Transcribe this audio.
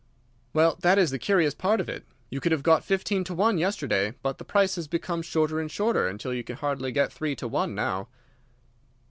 "Well, that is the curious part of it. You could have got fifteen to one yesterday, but the price has become shorter and shorter, until you can hardly get three to one now."